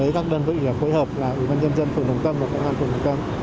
các đơn vị phối hợp là ủy ban nhân dân phường đồng tâm và công an phường đồng tâm